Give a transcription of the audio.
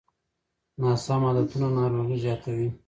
ناسم عادتونه ناروغۍ زیاتوي.